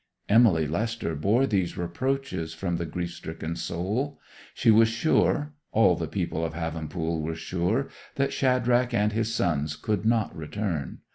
Emily Lester bore these reproaches from the grief stricken soul. She was sure—all the people of Havenpool were sure—that Shadrach and his sons could not return.